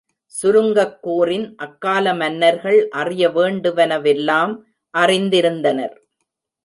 சுருங்கக் கூறின் அக்கால மன்னர்கள் அறிய வேண்டுவன வெல்லாம் அறிந்திருந்தனர்.